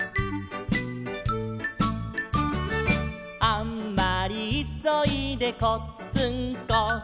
「あんまりいそいでこっつんこ」